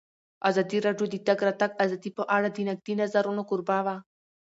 ازادي راډیو د د تګ راتګ ازادي په اړه د نقدي نظرونو کوربه وه.